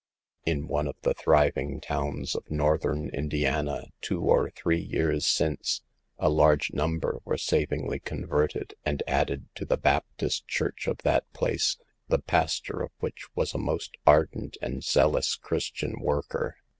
In one of the thriving towns of northern 250 SAVE THE GIRLS. Indiana, two or three years since, a large num ber were savingly converted, and added to the Baptist church of that place, the pastor of which was a most ardent and zealous Christian worker.